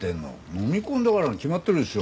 のみ込んだからに決まってるでしょ。